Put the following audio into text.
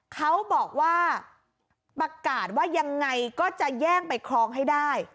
เขาบอกว่าประกาศว่ายังไงก็จะแย่งไปครองให้ได้